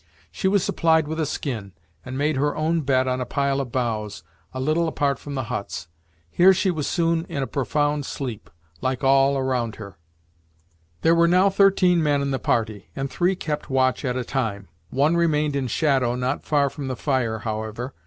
She was supplied with a skin, and made her own bed on a pile of boughs a little apart from the huts. Here she was soon in a profound sleep, like all around her. There were now thirteen men in the party, and three kept watch at a time. One remained in shadow, not far from the fire, however.